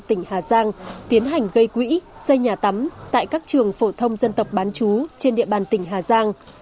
tỉnh hà giang tiến hành gây quỹ xây nhà tắm tại các trường phổ thông dân tộc bán chú trên địa bàn tỉnh hà giang